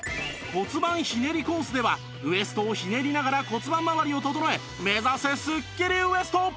骨盤ひねりコースではウエストをひねりながら骨盤まわりを整え目指せスッキリウエスト！